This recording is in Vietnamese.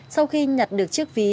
sau khi nhặt được chiếc ví